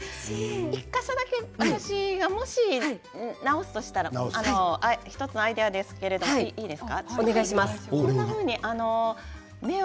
１か所だけ私もし直すとしたら１つのアイデアですけれどいいですか？